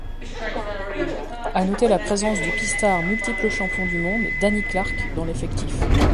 À noter, la présence du pistard multiple champion du monde Danny Clark dans l'effectif.